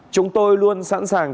chúng tôi luôn sẵn sàng